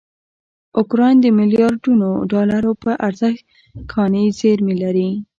اوکراین دمیلیاردونوډالروپه ارزښت کاني زېرمې لري.